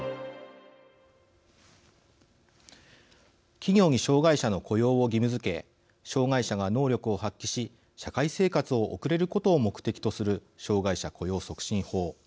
企業に障害者の雇用を義務づけ障害者が能力を発揮し社会生活を送れることを目的とする障害者雇用促進法。